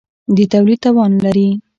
د تولید توان لري.